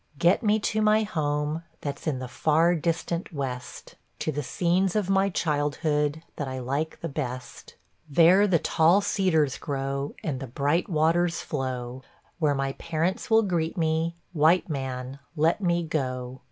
Get me to my home, that's in the far distant west, To the scenes of my childhood, that I like the best; There the tall cedars grow, and the bright waters flow, Where my parents will greet me, white man, let me go!